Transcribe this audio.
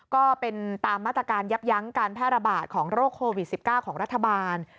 ก็เป็นตามมาตรการยับยั้งการแพร่ระบาดของโรคโควิด๑๙ของรัฐบาล